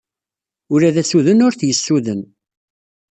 Ula d assuden ur t-yessuden.